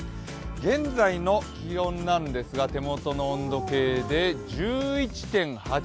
現在の気温ですが、手元の温度計で１１．８度。